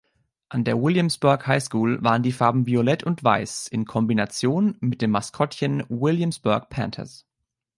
An der Williamsburg High School waren die Farben violett und weiß in Kombination mit dem Maskottchen Williamsburg Panthers.